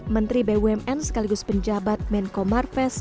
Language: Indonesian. menteri bumn sekaligus penjabat menko marves